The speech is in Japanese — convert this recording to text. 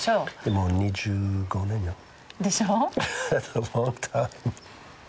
もう２５年。でしょ。